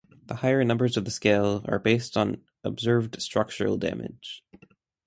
The higher numbers of the scale are based on observed structural damage.